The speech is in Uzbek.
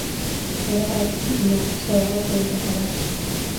Pora oddiy inʼom, sovgʼa boʼldi xolis